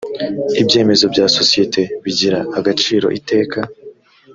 ibyemezo bya sosiyete bigira agaciro iteka